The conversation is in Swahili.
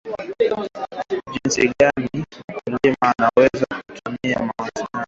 jinsi gani mkulima anaweza kutumia samadi kwa ubora wake